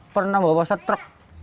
pernah bawa setrek